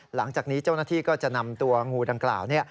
หลังจากนี้เจ้าหน้าที่ก็จะนำตัวงูดังกล่าว